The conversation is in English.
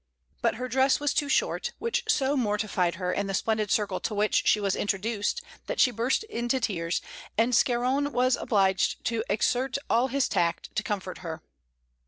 But her dress was too short, which so mortified her in the splendid circle to which she was introduced that she burst into tears, and Scarron was obliged to exert all his tact to comfort her.